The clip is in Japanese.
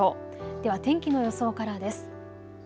では天気の予想からです。